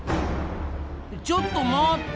ちょっと待った！